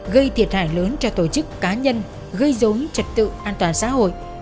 gây thiệt hại lớn cho tổ chức cá nhân gây dối trật tự an toàn xã hội